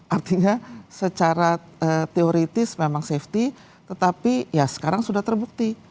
artinya secara teoritis memang safety tetapi ya sekarang sudah terbukti